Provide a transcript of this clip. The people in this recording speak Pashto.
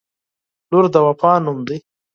• لور د وفا نوم دی.